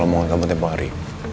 soal omongan kamu tempat hari